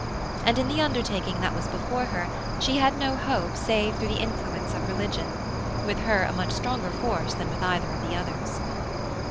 And in the undertaking that was before her she had no hope save through the influence of religion—with her a much stronger force than with either of the others.